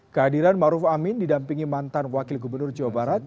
kehadiran maruf amin didampingi mantan wakil gubernur jawa barat